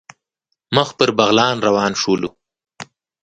مخ پر بغلان روان شولو.